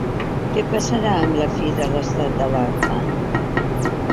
Què passarà amb la fi de l’estat d’alarma?